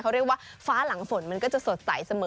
เขาเรียกว่าฟ้าหลังฝนมันก็จะสดใสเสมอ